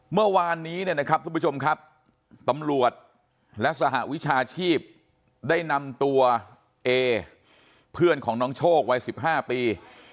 เมื่อวานนี้เนี่ยนะครับทุกผู้ชมครับตำรวจและสหวิชาชีพได้นำตัวเอเพื่อนของน้องโชควัย๑๕ปี